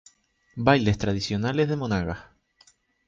Bailes tradicionales de Monagas.